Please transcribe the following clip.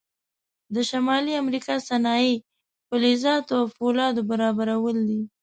د شمالي امریکا صنایع فلزاتو او فولادو برابرول دي.